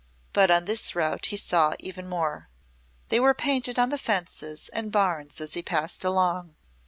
But on this route he saw even more. They were painted on the fences and barns as he passed along.